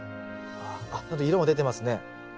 ちゃんと色も出てますね。